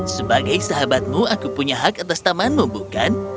sebagai sahabatmu aku punya hak atas tamanmu bukan